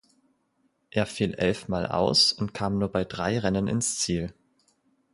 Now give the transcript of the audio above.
Er fiel elfmal aus und kam nur bei drei Rennen ins Ziel.